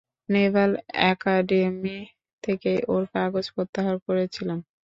Naval academy থেকে ওর কাগজ প্রত্যাহার করেছিলাম।